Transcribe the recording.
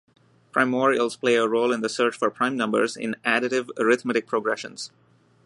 Primorials play a role in the search for prime numbers in additive arithmetic progressions.